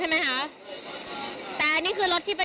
เฮ้ยฮะเนี้ยไปสุวรรณภูมิ